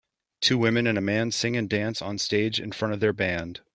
Two women and a man sing and dance on stage in front of their band.